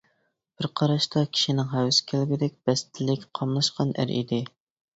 بىر قاراشتا كىشىنىڭ ھەۋىسى كەلگۈدەك بەستلىك، قاملاشقان ئەر ئىدى.